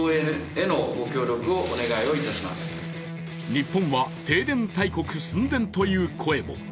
日本は停電大国寸前という声も。